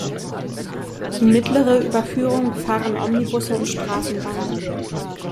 Die mittlere Überführung befahren Omnibusse und Straßenbahnen.